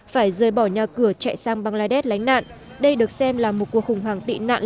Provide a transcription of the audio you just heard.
phải rời bỏ nhà cửa chạy sang bangladesh lánh nạn đây được xem là một cuộc khủng hoảng tị nạn